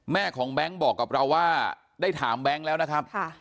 แม่ของแบงค์บอกกับเราว่าได้ถามแบงค์แล้วนะครับ